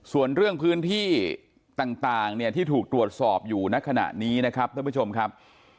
ส่วนเรื่องพื้นที่ต่างเนี่ยที่ถูกตรวจสอบอยู่ในขณะนี้นะครับท่านผู้ชมครับ